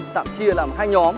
tạm chia làm hai nhóm